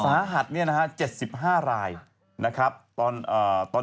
สาหัด๗๕รายตอนนี้๓๔รายอย่างงง